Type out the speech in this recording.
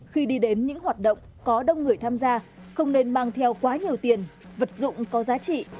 khi đi đến những hoạt động có đông người tham gia không nên mang theo quá nhiều tiền vật dụng có giá trị